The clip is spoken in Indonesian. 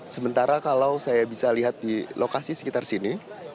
sementara kalau saya bisa lihat di lokasi sekitar sini